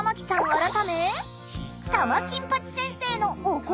改め玉金八先生のお言葉です。